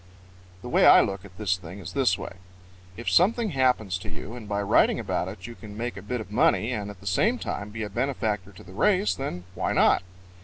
_ The way I look at this thing is this way: If something happens to you and by writing about it you can make a bit of money and at the same time be a benefactor to the race, then why not?